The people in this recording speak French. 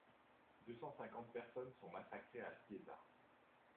Deux cent cinquante personnes sont massacrées à Cyeza.